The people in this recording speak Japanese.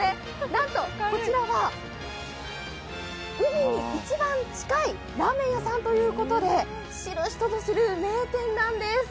なんとこちらは海に一番近いラーメン屋さんということで知る人ぞ知る名店なんです。